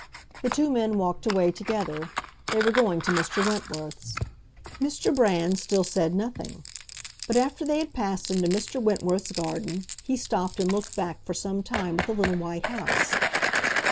The two men walked away together; they were going to Mr. Wentworth's. Mr. Brand still said nothing; but after they had passed into Mr. Wentworth's garden he stopped and looked back for some time at the little white house.